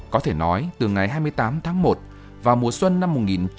có thể nói từ ngày hai mươi tám tháng một vào mùa xuân năm một nghìn chín trăm bảy mươi